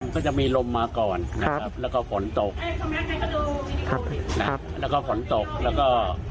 ก็จะมีลมมาก่อนนะครับแล้วก็ฝนตกนะครับแล้วก็ฝนตกแล้วก็